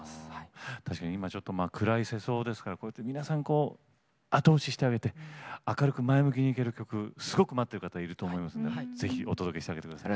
確かに今ちょっと暗い世相ですからこうやって皆さんこう後押ししてあげて明るく前向きにいける曲すごく待ってる方いると思いますんで是非お届けしてあげてください。